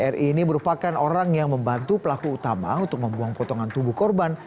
ri ini merupakan orang yang membantu pelaku utama untuk membuang potongan tubuh korban